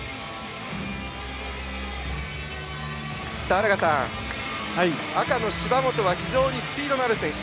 荒賀さん、赤の芝本は非常にスピードのある選手。